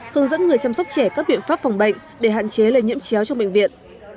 hướng dẫn người chăm sóc trẻ các biện pháp phòng bệnh để hạn chế lây nhiễm chéo trong bệnh viện